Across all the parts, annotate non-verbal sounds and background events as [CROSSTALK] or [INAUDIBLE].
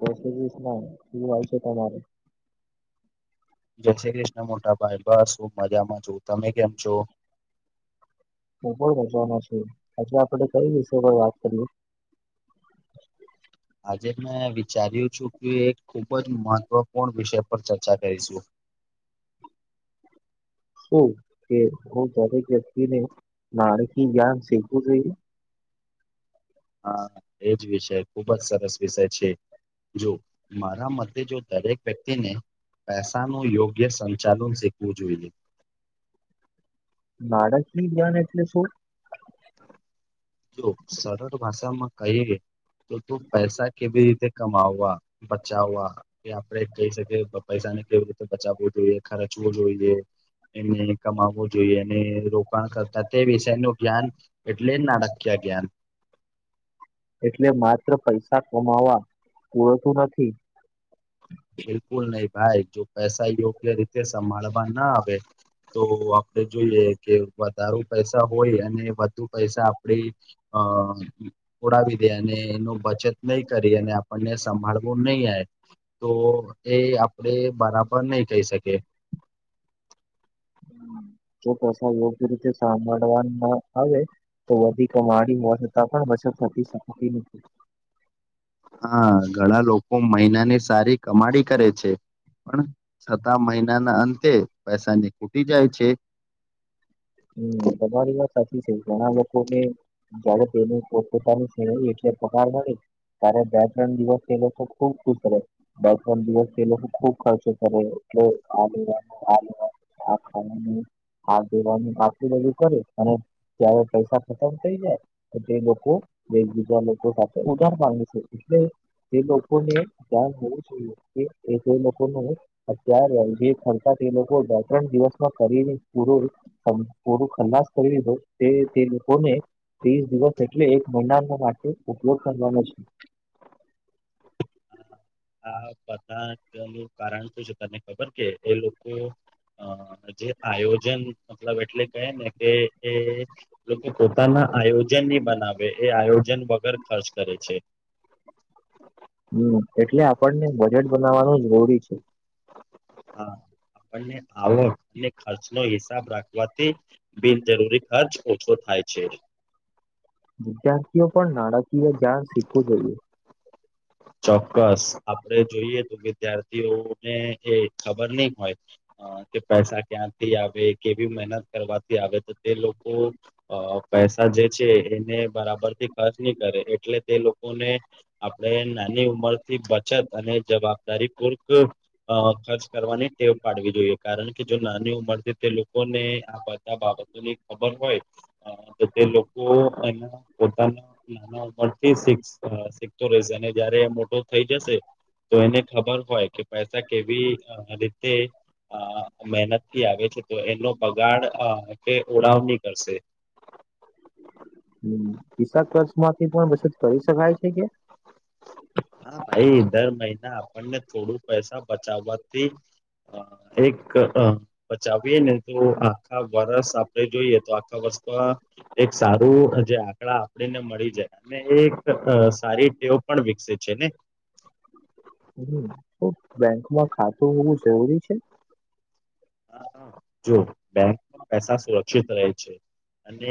જ જશ ના શું હોય છે, તમારે જય શ્રી કૃષ્ણ મોટા ભાઈ બસ હું મજામાં છું તમે કેમ છો? હું પણ મજામાં છું આજે આપણે કઈ વિષય પર વાત કરીએ? આજે મેં વિચાર્યું છું કે એક ખુબ જ મહત્વપૂર્ણ વિષય પર ચર્ચા કરીશું. શું કે [UNINTELLIGIBLE] દરેક વ્યક્તિને [UNINTELLIGIBLE] જ્ઞાન શીખવું જોઈએ? હા એજ વિષય ખુબ જ સરસ વિષય છે જો મારા મતે જો દરેક વ્યક્તિને પૈસા નું યોગ્ય સંચાલન શીખવું જોઈએ. બાળકી જ્ઞાન એટલે શું? જો સરળ ભાષામાં કહીએ તો તું પૈસા કેવી રીતે કમાવા બચાવા કે આપડે કહી શકીએ પૈસાને કેવી રીતે બચાવવું જોઈએ ખર્ચવું જોઈએ એમને કમાવવું જોઈએ અને રોકાણ કરતા તે વિષયનું જ્ઞાન એટલે નાણાકીય જ્ઞાન. એટલે માત્ર પૈસા કમાવા પૂરતું નથી બિલકુલ નહી ભાઈ જો પૈસા યોગ્ય રીતે સંભાળવા ના આવે તો આપણે જોઈએ કે વધારુ પૈસા હોય અને પૈસા આપણેે અ ઉડાવી દે અને એનો બચત નઈ કરીએ અને આપણને સંભાળવું નઈ [UNINTELLIGIBLE] તો એ આપડે બરાબર નહી કહી શકીએ. જો [UNINTELLIGIBLE] યોગ્ય રીતે સાંભળવા ન આવે તો વધી [UNINTELLIGIBLE] બચત થતી શકતી નથી. હા ઘણા લોકો મહિના ને સારી કમાડી કરે છે. પણ છતા મહિનાના અંતે પૈસાની ખૂટી જાય [UNINTELLIGIBLE] [INAUDIBLE] હમ તમારી વાત સાચી છે ઘણા લોકો ને જયારે તેની પોતપોતાની શેણી એટલે પગાર મળી તારે બે ત્રણ દિવસ એ લોકો ખુબ ખુશ રેય બે ત્રણ દિવસ એ લોકો ખુબ ખર્ચો કરે એટલે [UNINTELLIGIBLE] આ દેવાનું આટલું બધું કરે અને ત્યારે પૈસા ખતમ થઈ જાય તો તે લોકો એકબીજા લોકો પાસે ઉધાર માંગે છે એટલે જે લોકો ને ધ્યાન હોવું જોઈએ કે એજે લોકો નું અત્યારે જે [UNINTELLIGIBLE] એ લોકો ત્રણ દિવસમાં કરીને પૂરું પૂરું ખલાસ કરવી [UNINTELLIGIBLE] તે તે લોકોને ત્રીસ દિવસ એટલે એક મહિના માટે ઉપયોગ કરવાનો છે. આ બધા નું કારણ શું છે તને ખબર કે એ લોકો અ જે આયોજન મતલબ એટલે [UNINTELLIGIBLE] ને કે એ લોકો પોતાના આયોજન ની બનાવે એ આયોજન વગર ખર્ચ કરે છે. હમ એટલે આપણને બજેટ બનાવવાનું જરૂરી છે. હા આપણને આવક અને ખર્ચનો હિસાબ રાખવાથી બિનજરૂરી ખર્ચ ઓછો થાય છે. વિદ્યાર્થીઓ પણ નાણાકીય જ્ઞાન શીખવું જોઈએ ચોક્કસ આપડે જોઈએ તો વિદ્યાર્થીઓને એ ખબર નહી હોય. અ કે પૈસા ક્યાંથી આવે કેવી મહેનત કરવાથી આવે તો તે લોકો અ પૈસા જે છે એને બરાબરથી ખર્ચ ની કરે એટલે તે લોકોને આપણે નાની ઉંમરથી બચત અને જવાબદારી પૂર્ક અ ખર્ચ કરવાની ટેવ પાડવી જોઈએ. કારણ કે જો નાની ઉંમરથી તે લોકોને આ બધા બાબતોની ખબર હોય. હ તો તે લોકો એના પોતાના નાના ઉમરથી શીખતો રહેશે અને જયારે મોટો થઈ જશે તો એને ખબર હોય કે પૈસા કેવી અ રીતે અ મહેનતથી આવે છે તો એનો બગાડ અ કે ઓડાવની કરશે. હમ પિસા ખર્ચ માંથી પણ બચત કરી શકાય છે કે? હા ભાઈ દર મહિના આપણને થોડું પૈસા બચાવાથી ઐક હ પચાવીએ ને તો આખા વર્ષ આપડે જોઈએ તો આખા વર્ષમાં એક સારું જે આંકડા આપડીને મળી જાય અને એ એક સારી તેવો પણ વિકસિત છે ને હમ્ તો બેંકમાં ખાતું હોવું જરૂરી છે. [UNINTELLIGIBLE] જો [UNINTELLIGIBLE] માં પૈસા સુરક્ષિત રહે છે. અને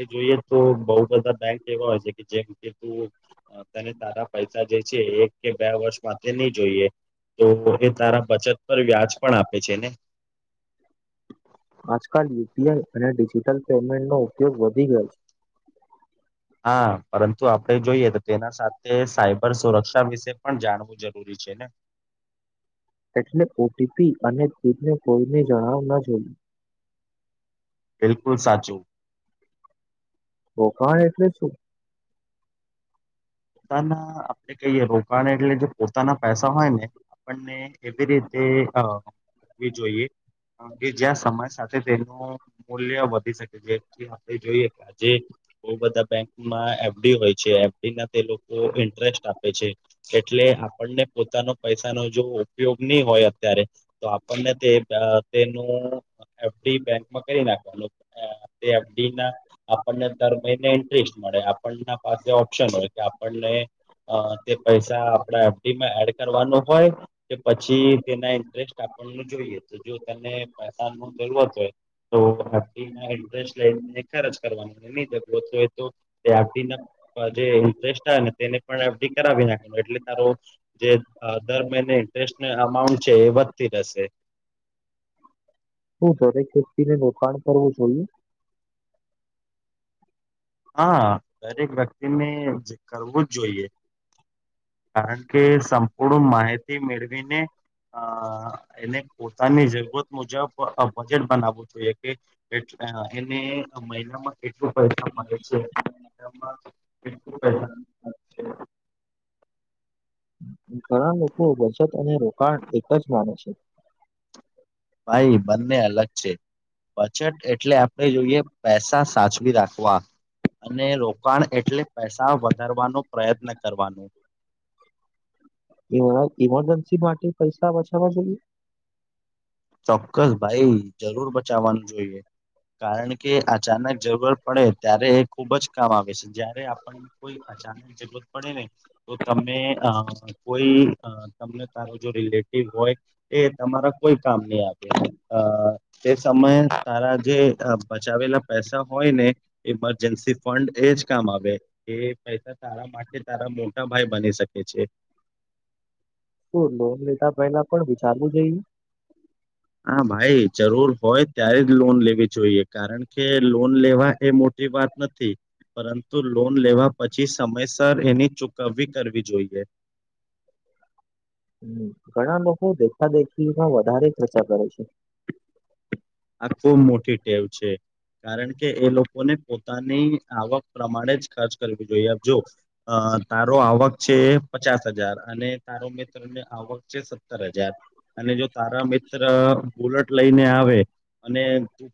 એ જોઈએ તો બહુ બધા બેંક એવા હોય છે કે તને તારા પૈસા જે છે એક કે બે વર્ષ માટે નહી જોઈએ. તો એ તારા બચત પર વ્યાજ પણ આપે છે ને આજકાલ યુપીઆઈ અને ડિજિટલ પેમેન્ટ નો ઉપયોગ વધી ગયો હા પરંતુ આપડે જોઈએ તો તેના સાથે સાયબર સુરક્ષા વિશે પણ જાણવું. જરૂરી છે ને. એટલે ઓટીપી અને [UNINTELLIGIBLE] જોયએ. બિલકુલ સાચું. રોકાણ એટલે શું? તા ના આપડે કહીયએ રોકાણ એટલે પોતાના પૈસા હોય ને આપને એવી રીતે અ [UNINTELLIGIBLE] વી જોઈએ. કે જ્યાં સમાજ સાથે [UNINTELLIGIBLE] [UNINTELLIGIBLE] મૂલ્ય વધી શકે જે આપણે જોઈએ કે આજે બૌ બધા બેન્ક માં એફડી હોય છે એફડી ના તે લોકો ઇન્ટરેસ્ટ આપે છે એટલે આપને પોતાનો પૈસા નો જો ઉપયોગ ની હોય અત્યારે તો આપને તે અ તેનું એફડી બેંકમાં કરી નાખવાનું તે એફડી નાં આપણને દર મહિને ઇન્ટરેસ્ટ મળે આપણના પાસે ઓપ્શન હોય કે આપણને અ તે પૈસા આપડા એફડીમાં એડ કરવાનું હોય. કે પછી તેના ઇન્ટરેસ્ટ આપને જોઈએ તો જો તેને [UNINTELLIGIBLE] હોય. [UNINTELLIGIBLE] કરવાનું. [INAUDIBLE] [UNINTELLIGIBLE] તેને પણ એડી કરાવી નાખે એટલે તારો. જે દર મહિને ઇન્ટરેસ્ટને અમાઉન્ટ છે એ વધતી રહેશે. હું દરેક વ્યક્તિને રોકાણ કરવું જોઈએ. હાં દરેક વ્યક્તિને જ કરવું જોઈએ. કારણ કે સંપૂર્ણ માહિતી મેળવીને અ એને પોતાની જરૂરત મુજબ અ બજેટ બનાવવું જોઈએ કે. એને મહિનામાં કેટલું પૈસા મલે [INAUDIBLE] ઘણા લોકો બચત અને રોકાણ એક જ માને છે. ભાઈ બંને અલગ છે. બચટ એટલે આપણે જોઈએ પૈસા સાચવી રાખવા. અને રોકાણ એટલે પૈસા વધારવાનો પ્રયત્ન કરવાનો. એવા ઇમરજન્સી માટે પૈસા બચાવવા જોઈએ. ચોક્કસ ભાઈ જરૂર બચાવાનું જોઈએ. કારણ કે અચાનક જરૂરત પડે ત્યારે એ ખુબ જ કામ આવે છે જ્યારે આ કોઈ અચાનક જરૂરત પડે ને? તો તમે અ કોઈ અ તમને તારો જે રિલેટિવ હોય એ તમારા કોઈ કામ નહી આપે અ તે સમયે તારા જે અ બચાવેલા પૈસા હોય ને. મરજન્સી ફંડ એજ કામ આવે એ પૈસા [UNINTELLIGIBLE] આ માટે તારા મોટા ભાઈ બની શકે છે. તો લોન લેતા પેલા પણ વિચારવું જોઈ. હા ભાઈ જરૂર હોય ત્યારે જ લોન લેવી જોઈએ કારણ કે લોન. લેવા એ મોટી વાત નથી. પરંતુ લોન લેવા પછી સમયસર એની ચુકવવી કરવી જોઈએ. હ ઘણા લોકો દેખા દેખીમાં વધારે ખર્ચા કરે છે. આ ખુબ મોટી ટેવ છે કારણ કે એ લોકોને પોતાની આવક પ્રમાણે જ. ખર્ચ કરવી જોઈએ આપ જો તારો આવક છે પચાસ હજાર અને. સારો મ ત્ર ને આવક છે સત્તર હજાર અને જો તારા મિત્ર બુલટ લઈને આવે અને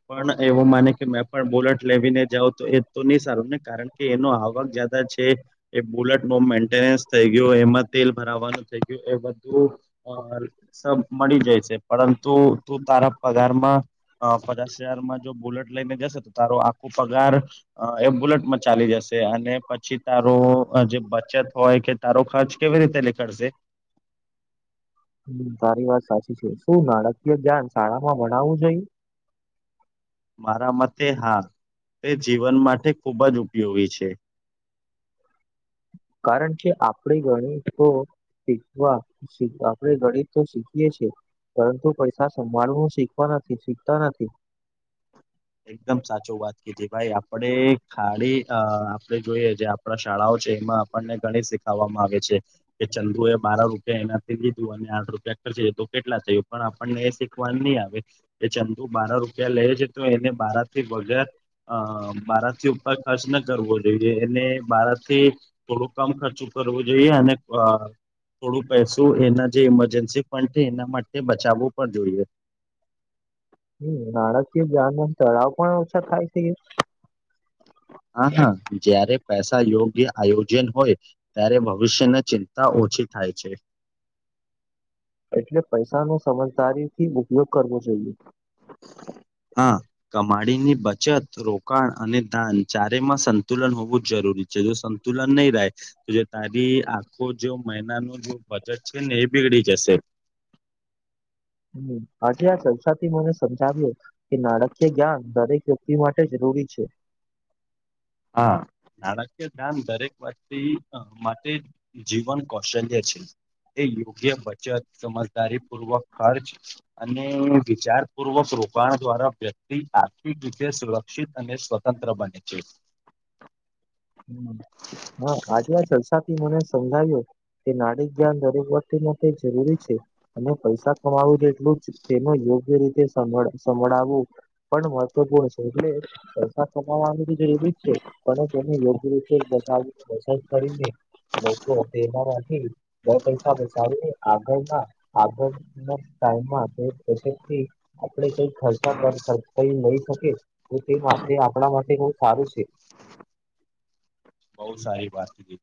પણ એવું માને કે મેં પણ બુલેટ લેવીને જાાવ તો એ તો નહી સારું ને કારણ કે એનો આવક જદા છે. એ બુલેટ બમ્ મેન્ટેનન્સ થઇ ગયું એમાં તેલ ભરાવવાનું થઇ ગયું એધ. તું સ મળી જાય છે પરંતુ તું તારા પગારમાં. અ પચાસ હજારમાં જો બુલેટ લઈને જશે તો તારો આખો પગાર. અ એ બુલેટમાં ચાલી જશે અને પછી તારો જે બચત હોય કે. તારો ખર્ચ કેવી ને તલે કરશેે. હ તારી વાત સાચી છે શું નાણાકીય જ્ઞાન શાળામાં ભણાવવું જોઈએ. મારા મતે હા તે જીવન માટે ખુબ જ ઉપયોગી છે. કારણ કે આપણે ગણી તોો. શીખવા આપણે ગણિત તો શીખીયએ છ છેએ. પરંતુ પૈસા સંભાળવું હું શીખવા નથી શીખતા નથી. એકદમ સાચું વાત કીધી ભાઈ આપડે ખાડી અ આપે જોઈએ જે. આપણા શાળાઓ છે એમાં આપણને ઘણી શીખવામાં આવે છે કે ચંદુ એ બાર રૂપિયા એના. લીધું અને આઠ રૂપિયા્ટ તો કેટલા થયું પણ આપણને એ શીખવાનું નહી આવે. એ ચંદુ બારા રૂપિયા લે છે તો એને બાર થી વગાર અ. બાર થી ઉપર ખર્ચ ન કરવો જોઈએ એને બારથી. થોડુંક કામ ખર્ચું કરવો જોઈએ અને. અ થોડું પૈસું એના જે ઈમરજન્સી પણ છે એના માટે બચાવવું પણ જોઈએ. હમ નાણાકીય જ તળાવ પણ ઓછા થાય છે. હા હા. જયારે પૈસા યોગ્ય આયોજન હોય ત્યારે ભવિષ્યની ચિંતા ઓછી થાય છે. એટલે પૈસા નો સમજદારી થી ઉપયોગ કરવો જોઈએ. હા. કમાડીની બચત રોકાણ અને દાન ચારેમાં સંતુલન હોવું જ જરૂરી છે જો. તુલન નહી ર તો જે તારી આખો જો મહિના ન. જજ કેને એ બીગડી છેશે. હ હજી આ ચલસા થી મને સમજાવ્યો. કે નાણાકીય જ્ઞાન દરેક વ્યક્તિ માટે જરૂરી છે. હા નાણાકીય જાન દરેક વત. તે જીવન કૌશલ્ય છે. એ યોગ્ય બચત સમજદારી પૂર્વક ખર્ચ. અને વિચાર પૂર્વક રોકાણ દ્વારા વ્યક્તિ આર્થિક રીતે સુરક્ષિત અને સ્વ. તંત્ર બને છે હા આજે આ ચર્ચા થી મને સમજાવ્યું કે નાડી જ્ઞાન દરેક વખત માટે જરૂરી છે અને પૈસા કમાવું છે એટલું જ તેનું યોગ્ય રીતે સંભળાવવું પણ મહત્વપૂર્ણ છે એટલે પૈસા કમાવા તો એવી જ છે પણ તેને સ કરીનેમાં [INAUDIBLE] [UNINTELLIGIBLE] બે પૈસા બચાવ આગળ ના આગ ટમથી આપડે કઈ ખર્ચા કર કઈ લઈ શકે તો તે માટે આપણા માટે બહુ સારું છે બહુ સારી વાારતી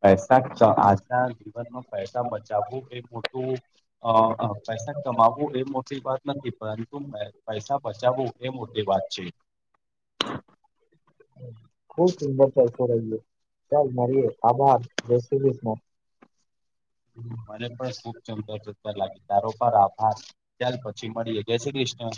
પૈસા ચ આજના જીવનમાં પૈસા બચાવવું એ મોટું અ પૈસા કમાવવું એ મોટી વાત નથી પરંતુ પૈસા બચાવવું એ એ વાત છે [UNINTELLIGIBLE] ખુબ સુંદર ચાલ છો ર્યો ચાલ મારી એ આભાર જયશ્રી કૃષ્ણ મને પણ ખુબ ચમકાર ચકાર લાગે તારો પર આભાર ચલ પછી મળીએ જય શ્રી કૃષ્ણ